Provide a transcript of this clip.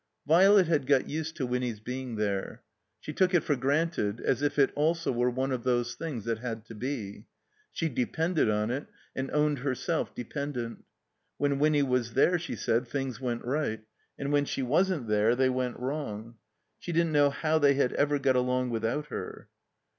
Violet had got used to Winny's being there. She took it for granted, as if it also were one of those things that had to be. She depended on it, and owned herself dependent. When Winny was there, she said, things went right, and when she wasn't there they went wrong. She didn't know how they had ever got along without her.